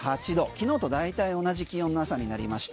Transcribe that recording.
昨日と大体同じ気温の朝になりました。